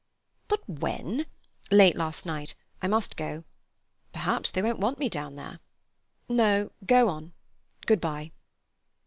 "But when—" "Late last night. I must go." "Perhaps they won't want me down there." "No—go on. Good bye."